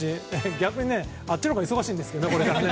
逆にあっちのほうが忙しいでしょうけどね。